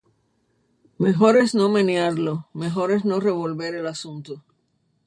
Mejor es no menearlo. Mejor no revolver el asunto.